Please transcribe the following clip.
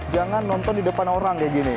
jangan nonton di depan orang kayak gini